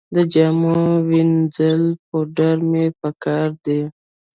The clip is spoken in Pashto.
د جامو مینځلو پوډر مې په کار دي